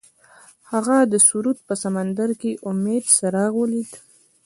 هغه د سرود په سمندر کې د امید څراغ ولید.